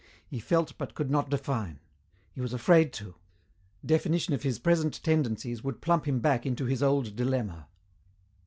He felt but could not define. He was afraid to. Definition of his present tendencies would plump him back into his old dilemma.